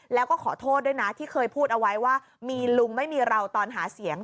แล้วก็ขอโทษด้วยนะที่เคยพูดเอาไว้ว่ามีลุงไม่มีเราตอนหาเสียง